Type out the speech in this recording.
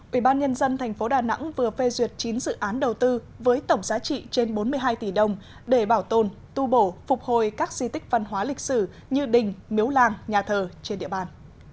ubnd tp đà nẵng vừa phê duyệt chín dự án đầu tư với tổng giá trị trên bốn mươi hai tỷ đồng để bảo tồn tu bổ phục hồi các di tích văn hóa lịch sử như đình miếu làng nhà thờ trên địa bàn